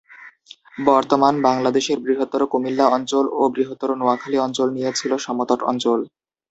বর্তমান বাংলাদেশের বৃহত্তর কুমিল্লা অঞ্চল ও বৃহত্তর নোয়াখালী অঞ্চল নিয়ে ছিলো সমতট অঞ্চল।